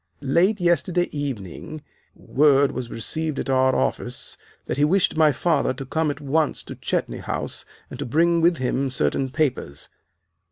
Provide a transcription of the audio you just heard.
Late yesterday evening word was received at our office that he wished my father to come at once to Chetney House and to bring with him certain papers.